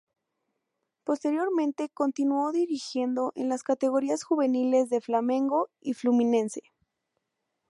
Posteriormente continuó dirigiendo en las categorías juveniles de Flamengo y Fluminense.